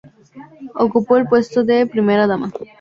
Ocupó el puesto de Primera dama.